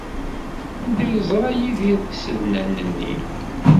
Anda ay yeẓra Yidir tisednan-nni?